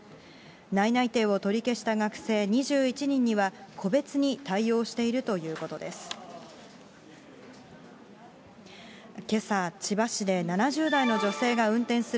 内々定を取り消した学生２１人には個別に対応しているということです。